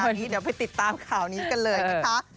จะไปติดตามข่านี้กันเลยนะคะ